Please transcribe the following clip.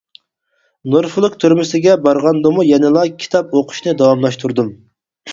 نورفولك تۈرمىسىگە بارغاندىمۇ يەنىلا كىتاب ئوقۇشنى داۋاملاشتۇردۇم.